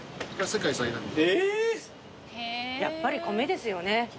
やっぱり米ですよね。